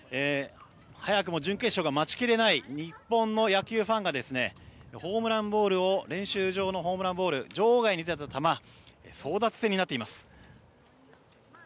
早くも準決勝が待ち切れない日本の野球ファンが練習場のホームランボール場外に出た球争奪戦になっています。